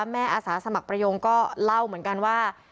อาสาสมัครประยงก็เล่าเหมือนกันว่า